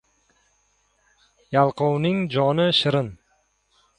Yalqovning joni — shirin.